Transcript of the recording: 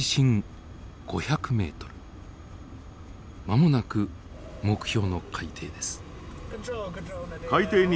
間もなく目標の海底です。